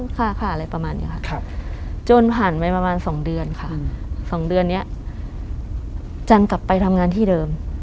ค่ะค่ะอะไรประมาณนี้ค่ะจนผ่านไปประมาณ๒เดือนค่ะ๒เดือนนี้จันกลับไปทำงานที่เดิม